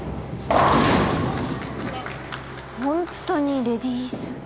ホントにレディース？